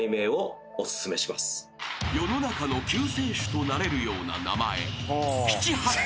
［世の中の救世主となれるような名前］